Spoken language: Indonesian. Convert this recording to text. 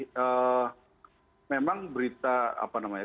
jadi memang berita apa namanya